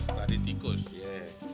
keladi tikus ye